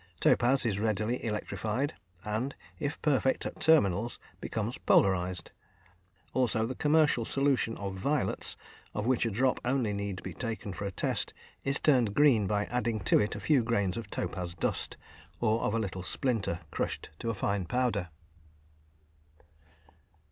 Topaz is readily electrified, and, if perfect at terminals, becomes polarised; also the commercial solution of violets, of which a drop only need be taken for test, is turned green by adding to it a few grains of topaz dust, or of a little splinter crushed to fine powder.